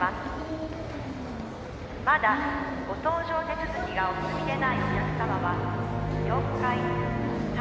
「まだご搭乗手続きがお済みでないお客様は」